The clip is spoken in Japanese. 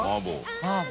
麻婆。